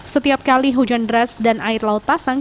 setiap kali hujan deras dan air laut pasang